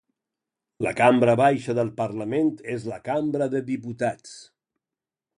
La cambra baixa del Parlament és la Cambra de Diputats.